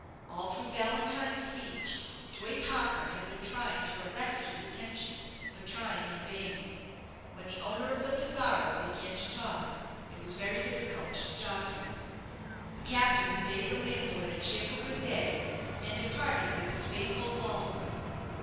All through Valentine's speech, Joyce Harker had been trying to arrest his attention, but trying in vain. When the owner of the 'Pizarro' began to talk, it was very difficult to stop him. The captain bade the landlord a cheerful good day, and departed with his faithful follower.